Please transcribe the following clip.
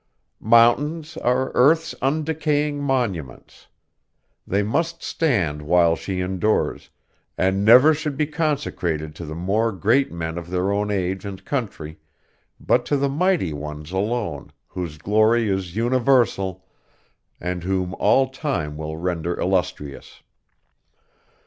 Mountains are Earth's undecaying monuments. They must stand while she endures, and never should be consecrated to the mere great men of their own age and country, but to the mighty ones alone, whose glory is universal, and whom all time will render illustrious.